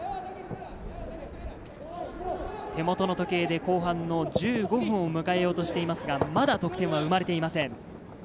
手元の時計で後半の１５分を迎えようとしていますが、まだ得点は生まれていません。